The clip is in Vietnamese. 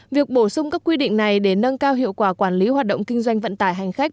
việc bổ sung các quy định này để nâng cao hiệu quả quản lý hoạt động kinh doanh vận tải hành khách